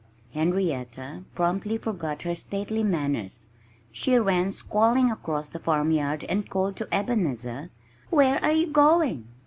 Henrietta promptly forgot her stately manners. She ran squalling across the farmyard and called to Ebenezer, "Where are you going?"